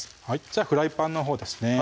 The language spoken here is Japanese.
フライパンのほうですね